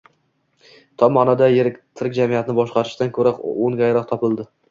tom na’noda tirik jamiyatni boshqarishdan ko‘ra o‘ng‘ayroq topildi.